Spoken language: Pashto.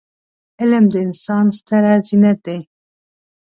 علم د انسان ستره زينت دی.